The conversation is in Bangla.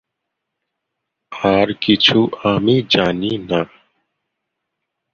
আর কিছু আমি জানি না।